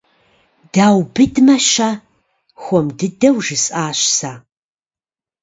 Даубыдмэ-щэ? - хуэм дыдэу жысӀащ сэ.